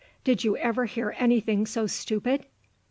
Did you ever hear anything so stupid?